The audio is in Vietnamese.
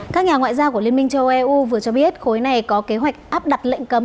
các nhà ngoại giao của liên minh châu eu vừa cho biết khối này có kế hoạch áp đặt lệnh cấm